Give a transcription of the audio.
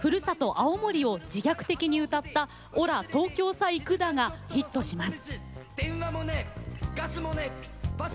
青森を自虐的に歌った「俺ら東京さ行ぐだ」がヒットします。